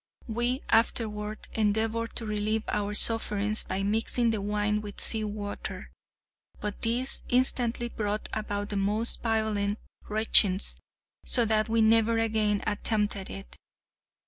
We afterward endeavoured to relieve our sufferings by mixing the wine with seawater; but this instantly brought about the most violent retchings, so that we never again attempted it.